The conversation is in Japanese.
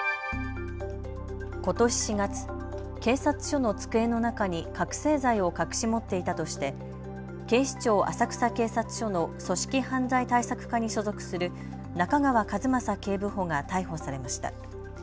ことし４月、警察署の机の中に覚醒剤を隠し持っていたとして警視庁浅草警察署の組織犯罪対策課に所属する中川一政警部補が逮捕されました。